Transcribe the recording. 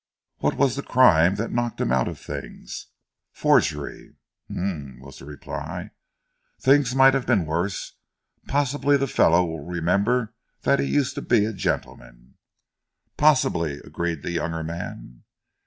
"What was the crime that knocked him out of things?" "Forgery!" "Um!" was the reply. "Things might have been worse. Possibly the fellow will remember that he used to be a gentleman." "Possibly," agreed the younger man.